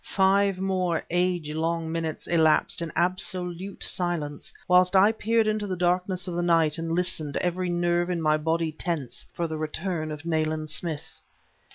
Five more age long minutes elapsed in absolute silence, whilst I peered into the darkness of the night and listened, every nerve in my body tense, for the return of Nayland Smith.